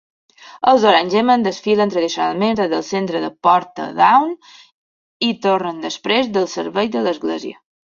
Els Orangemen desfilen tradicionalment des del centre de Portadown i tornen després del servei de l'església.